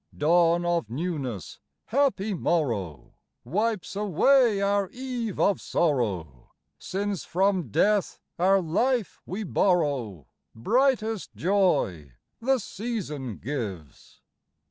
Dawn of newness, happy morrow, Wipes away our eve of sorrow ; Since from death our life we borrow, Brightest joy the season gives.